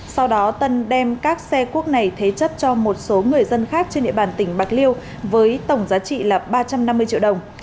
sau đó tân đem các xe cuốc này thế chấp cho một số người dân khác trên địa bàn tỉnh bạc liêu với tổng giá trị là ba trăm năm mươi triệu đồng